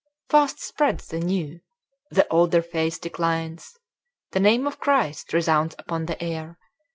Fast spreads the new; the older faith declines. The name of Christ resounds upon the air.